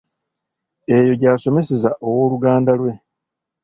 Eyo gy'asomeseza owooluganda lwe.